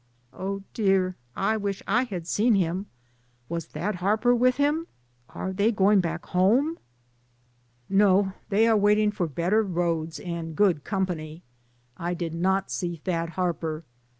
"Oh, dear, I wish I had seen him. Was Thad Harper with him? Are they going back home?" "No ; they are waiting for better roads and good company. I did not see Thad Harper.